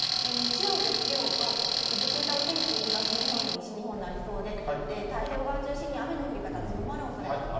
日曜、月曜とぐずついたお天気に、東日本や西日本、なりそうで、太平洋側中心に、雨の降り方強まるおそれがあります。